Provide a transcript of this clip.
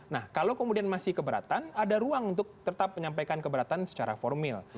nah kalau kemudian masih keberatan ada ruang untuk tetap menyampaikan keberatan secara formil